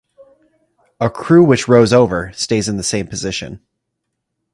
A crew which rows over stays in the same position.